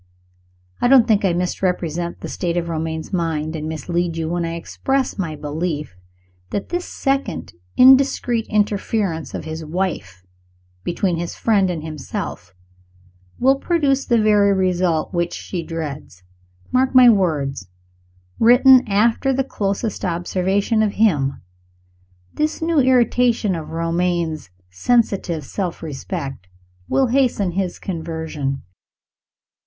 I don't think I misinterpret the state of Romayne's mind, and mislead you, when I express my belief that this second indiscreet interference of his wife between his friend and himself will produce the very result which she dreads. Mark my words, written after the closest observation of him this new irritation of Romayne's sensitive self respect will hasten his conversion.